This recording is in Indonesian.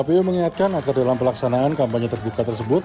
kpu mengingatkan agar dalam pelaksanaan kampanye terbuka tersebut